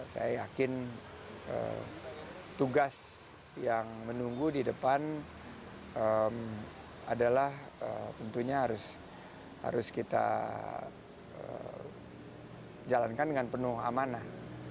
saya yakin tugas yang menunggu di depan adalah tentunya harus kita jalankan dengan penuh amanah